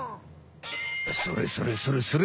それそれそれそれ！